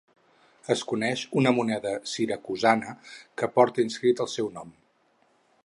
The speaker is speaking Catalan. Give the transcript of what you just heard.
Es coneix una moneda siracusana que porta inscrit el seu nom.